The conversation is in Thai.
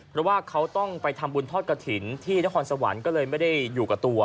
เพราะว่าเขาต้องไปทำบุญทอดกระถิ่นที่นครสวรรค์ก็เลยไม่ได้อยู่กับตัว